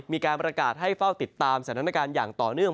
มีการบริการแปลกติดตามแสนแล้วกันอย่างต่อเนื่อง